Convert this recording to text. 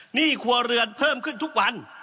หนี้ครัวเรือนเพิ่มขึ้นทุกวัน